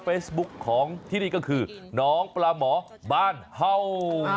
เฟซบุ๊คของที่นี่ก็คือน้องปลาหมอบ้านเฮ่า